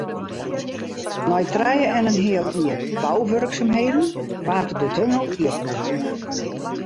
Nei trije en in heal jier bouwurksumheden waard de tunnel iepene.